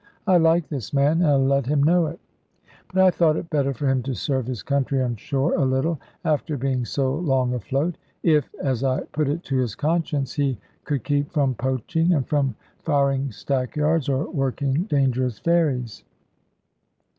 I liked this man, and I let him know it; but I thought it better for him to serve his country on shore a little, after being so long afloat; if (as I put it to his conscience) he could keep from poaching, and from firing stackyards, or working dangerous ferries.